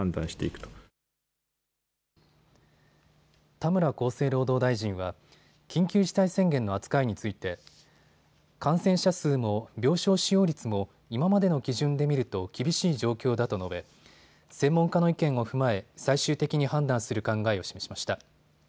田村厚生労働大臣は緊急事態宣言の扱いについて感染者数も病床使用率も今までの基準で見ると厳しい状況だと述べ専門家の意見を踏まえ最終的に判断する考えを示しました。